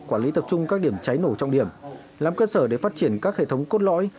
quản lý tập trung các điểm cháy nổ trọng điểm làm cơ sở để phát triển các hệ thống cốt lõi